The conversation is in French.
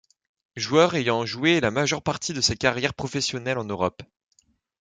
Joueur ayant joué la majeure partie de sa carrière professionnelle en Europe.